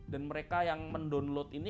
dan mereka yang mendownload ini